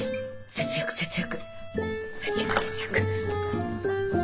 節約節約。